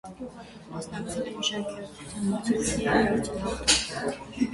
Մասնակցել է մի շարք գեղեցկության մրցույթների և դարձել հաղթող։